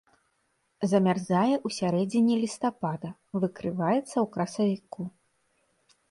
Замярзае ў сярэдзіне лістапада, выкрываецца ў красавіку.